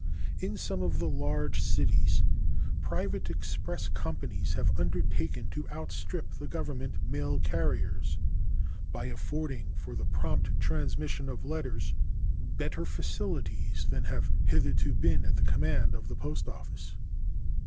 In some of the large cities private express companies have undertaken to outstrip the Government mail carriers by affording for the prompt transmission of letters better facilities than have hitherto been at the command of the Post Office.